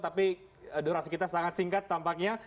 tapi durasi kita sangat singkat tampaknya